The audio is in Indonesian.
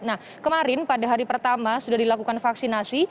nah kemarin pada hari pertama sudah dilakukan vaksinasi